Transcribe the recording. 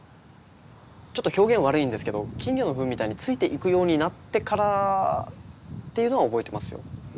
ちょっと表現悪いんですけど金魚のフンみたいについていくようになってからっていうのは覚えてますよ。